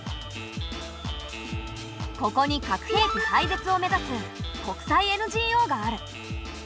ここに核兵器廃絶を目指す国際ＮＧＯがある。